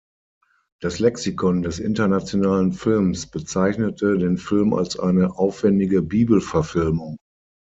Das Lexikon des internationalen Films bezeichnete den Film als eine „aufwändige Bibelverfilmung“.